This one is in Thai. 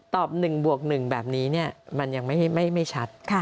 ตอบหนึ่งบวกหนึ่งแบบนี้เนี่ยมันยังไม่ชัด